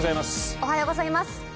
おはようございます。